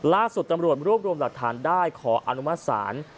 ล่าสุดตำรวจรวบรวมรัดฐานได้ขออนุมสาร